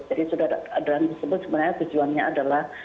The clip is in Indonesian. jadi surat adaran tersebut sebenarnya tujuannya adalah